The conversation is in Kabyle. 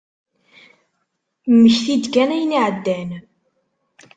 Mmekti-d kan ayen iɛeddan.